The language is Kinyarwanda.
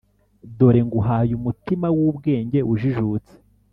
dore nguhaye umutima w’ubwenge ujijutse;